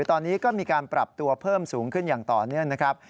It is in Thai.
ตอนนี้ก็มีการปรับตัวเพิ่มสูงขึ้นอย่างต่อเนื่องนะครับ